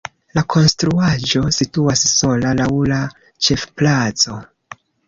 La konstruaĵo situas sola laŭ la ĉefplaco.